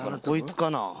こいつかな。